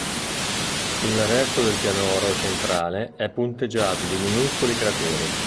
Il resto del pianoro centrale è punteggiato di minuscoli crateri.